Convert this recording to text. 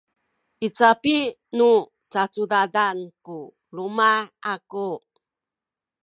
i capi nu cacudadan ku luma’ aku